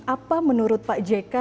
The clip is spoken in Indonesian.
apa menurut pak jk